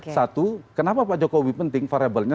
satu kenapa pak jokowi penting variabelnya